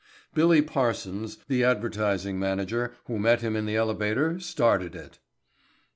Billy Parsons, the advertising manager, who met him in the elevator, started it.